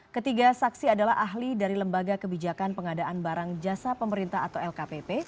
ketiga saksi adalah ahli dari lembaga kebijakan pengadaan barang jasa pemerintah atau lkpp